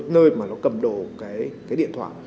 nơi mà nó cầm đồ cái điện thoại